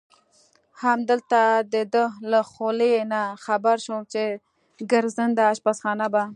همالته د ده له خولې نه خبر شوم چې ګرځنده اشپزخانه به.